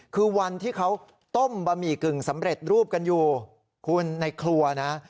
คือวันที่เขาต้มบะหมี่กึ่งสำเร็จรูปกันอยู่คุณในครัวนะ